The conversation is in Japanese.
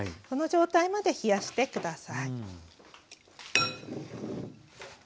この状態まで冷やして下さい。